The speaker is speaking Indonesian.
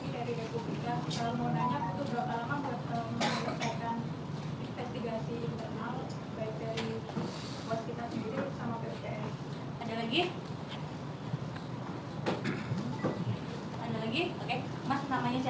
terus mungkin yang misalnya itu tiga pertanyaan dulu biar tidak terlalu banyak